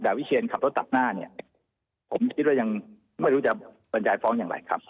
แต่วิเชียนขับรถตัดหน้าเนี่ยผมคิดว่ายังไม่รู้จะบรรยายฟ้องอย่างไรครับ